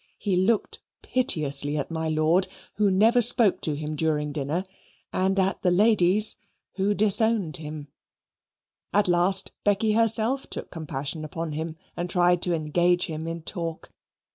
He looked piteously at my lord, who never spoke to him during dinner, and at the ladies, who disowned him. At last Becky herself took compassion upon him and tried to engage him in talk.